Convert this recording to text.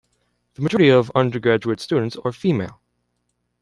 The majority of undergraduate students are female.